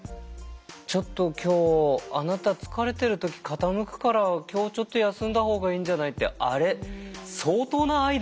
「ちょっと今日あなた疲れてる時傾くから今日ちょっと休んだほうがいいんじゃない」ってあれ相当な愛だと思うのよ。